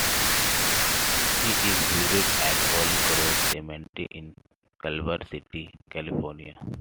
He is buried at Holy Cross Cemetery in Culver City, California.